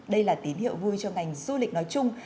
đây là tín hiệu vui cho ngành du lịch nói chung